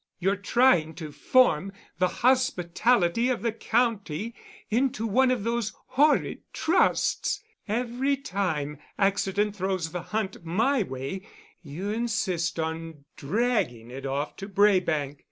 You're trying to form the hospitality of the county into one of those horrid trusts. Every time accident throws the hunt my way you insist on dragging it off to Braebank.